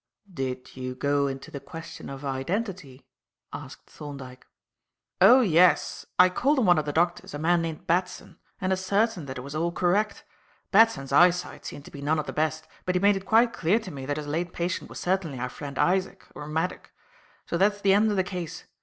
"Did you go into the question of identity?" asked Thorndyke. "Oh, yes. I called on one of the doctors, a man named Batson, and ascertained that it was all correct. Batson's eyesight seemed to be none of the best, but he made it quite clear to me that his late patient was certainly our friend Isaac, or Maddock. So that's the end of the case.